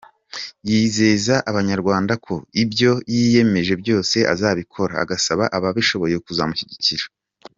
Yizeza Abanyarwanda ko ibyo yiyemeje byose azabikora, agasaba ababishoboye kuzamushyigikira.